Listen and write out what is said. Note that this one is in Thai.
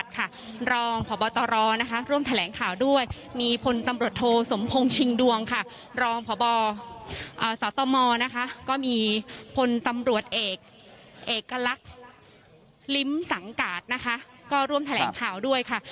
กริ้มสังการนะคะก็ร่วมแถลงข่าวด้วยค่ะ